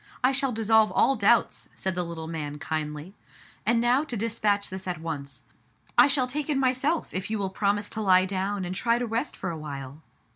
I shall dissolve all doubts/* said the little man kindly. "And now to dispatch this at once. I shall take it myself, if you will promise to lie down and try to rest for awhile.